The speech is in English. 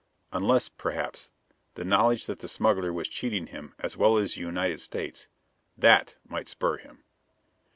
Unless, perhaps, the knowledge that the smuggler was cheating him as well as the United States that might spur him.